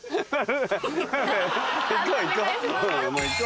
行こう行こう。